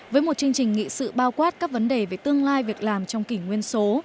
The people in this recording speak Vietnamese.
với một chương trình nghị sự bao quát các vấn đề về tương lai việc làm trong kỷ nguyên số